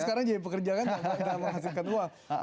sekarang jadi pekerjaan menghasilkan uang